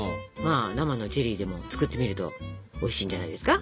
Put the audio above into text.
生のチェリーでも作ってみるとおいしいんじゃないですか？